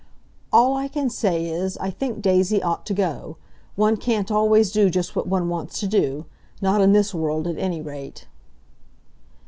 "All I can say is, I think Daisy ought to go. One can't always do just what one wants to do—not in this world, at any rate!"